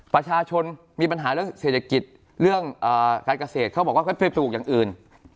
ประชาชนมีปัญหาเรื่องเศรษฐกิจเรื่องการเกษตรเขาบอกว่าเขาไปปลูกอย่างอื่น